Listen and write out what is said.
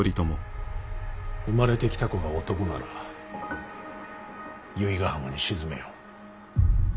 生まれてきた子が男なら由比ヶ浜に沈めよ。